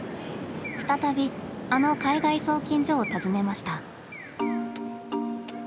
再びあの海外送金所を訪ねました。